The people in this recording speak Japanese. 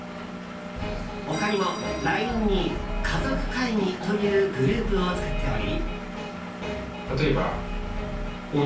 他にもＬＩＮＥに家族会議というグループを作っており。